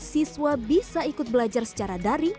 siswa bisa ikut belajar secara daring